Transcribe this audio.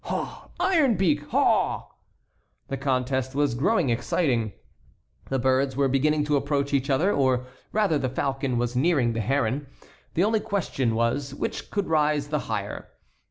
Haw, Iron Beak! Haw!" The contest was growing exciting. The birds were beginning to approach each other, or rather the falcon was nearing the heron. The only question was which could rise the higher.